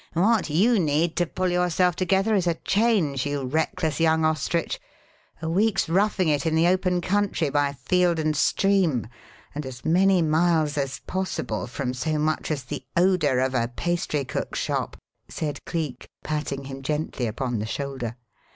"What you need to pull yourself together is a change, you reckless young ostrich a week's roughing it in the open country by field and stream, and as many miles as possible from so much as the odour of a pastry cook's shop," said Cleek, patting him gently upon the shoulder.